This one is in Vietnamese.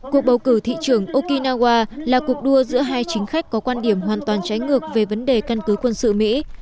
cuộc bầu cử thị trưởng okinawa là cuộc đua giữa hai chính khách có quan điểm hoàn toàn trái ngược về vấn đề căn cứ quân sự mỹ